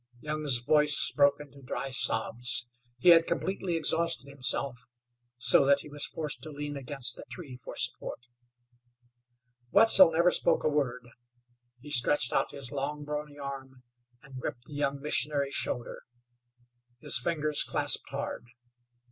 Young's voice broke into dry sobs. He had completely exhausted himself, so that he was forced to lean against the tree for support. Wetzel spoke never a word. He stretched out his long, brawny arm and gripped the young missionary's shoulder. His fingers clasped hard.